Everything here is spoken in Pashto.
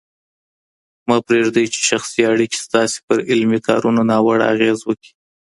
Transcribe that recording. مه پرېږدئ چي شخصي اړیکي ستاسي پر علمي کارونو ناوړه اغېز وکړي.